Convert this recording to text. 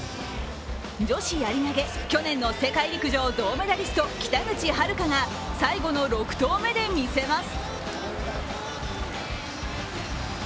女子やり投、去年の世界陸上銅メダリスト北口榛花が最後の６投目でみせます